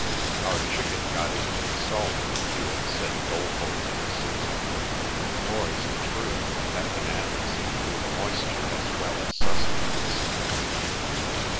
"Our chicken got into the salt," Hewet said dolefully to Susan. "Nor is it true that bananas include moisture as well as sustenance."